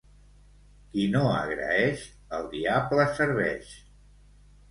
Qui no agraeix, el diable serveix.